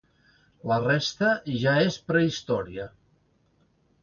La resta ja és prehistòria.